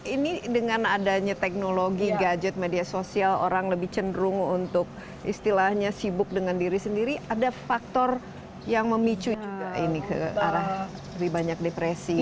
ini dengan adanya teknologi gadget media sosial orang lebih cenderung untuk istilahnya sibuk dengan diri sendiri ada faktor yang memicu juga ini ke arah lebih banyak depresi